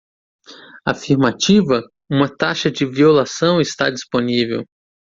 Afirmativa? uma taxa de violação está disponível.